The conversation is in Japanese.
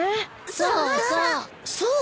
そうそう。